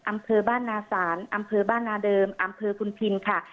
อำเภอบ้านนาศาลอำเภอบ้านนาเดิมอำเภอคุณพินค่ะ